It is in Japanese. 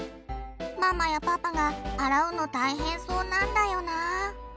ママやパパが洗うの大変そうなんだよな。